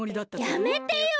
やめてよ！